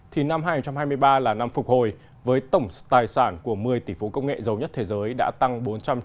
thì năm hai nghìn hai mươi ba là năm phục hồi với tổng tài sản của một mươi tỷ phú công nghệ giàu nhất thế giới đã tăng bốn trăm chín mươi tỷ đô la mỹ